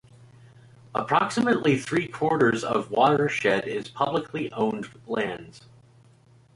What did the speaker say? Approximately three-quarters of the watershed is publicly owned lands.